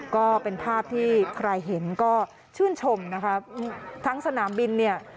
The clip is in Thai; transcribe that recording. ก็เป็นภาพที่ใครเห็นก็ชื่นชมนะคะทั้งสนามบินเนี่ย